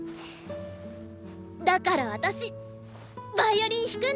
だから私ヴァイオリン弾くんだ！